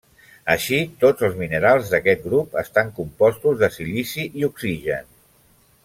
Així, tots els minerals d'aquest grup estan compostos de silici i oxigen.